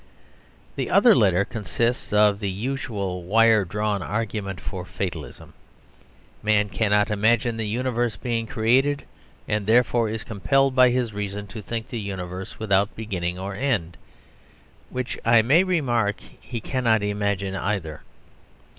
The other letter consists of the usual wiredrawn argument for fatalism. Man cannot imagine the universe being created, and therefore is "compelled by his reason" to think the universe without beginning or end, which (I may remark) he cannot imagine either.